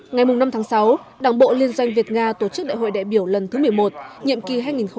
ngày năm tháng sáu đảng bộ liên doanh việt nga tổ chức đại hội đại biểu lần thứ một mươi một nhiệm kỳ hai nghìn hai mươi hai nghìn hai mươi năm